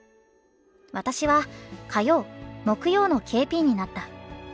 「私は火曜木曜のＫＰになった。